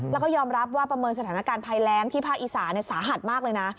แล้วก็ยอมรับว่าประเมินสถานการณ์ภัยแรงที่ภาคอีสานสาหัสมากเลยนะ